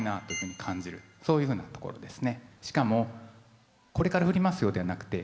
そういうふうなところですね。